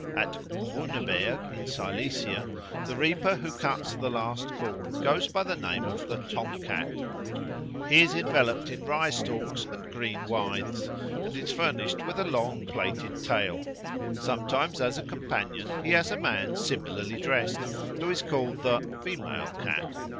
At Grüneberg, in Silesia, the reaper who cuts the last corn goes by the name of the Tom cat. He is enveloped in rye stalks and green withes, and is furnished with a long plaited tail. Sometimes as a companion he has a man similarly dressed, who is called the (female) Cat.